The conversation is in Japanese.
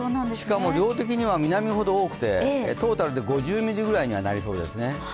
しかも量的には南ほど多くて、トータルで５０ミリぐらいにはなりそうですね。